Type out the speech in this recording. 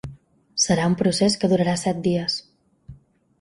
Serà un procés que durarà set dies.